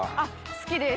好きです。